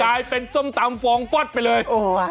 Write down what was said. กลายเป็นส้มตำฟองฟอดไปเลย